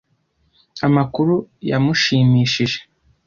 Amakuru yamushimishije.